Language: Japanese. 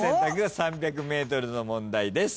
３００ｍの問題です。